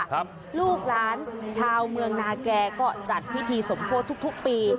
ลูกหลานชาวเมืองนาแก่ก็จัดพิธีสมโพธิทุกทุกปี